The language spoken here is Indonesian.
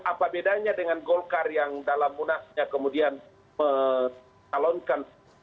apa bedanya dengan golkar yang dalam munasnya kemudian mencalonkan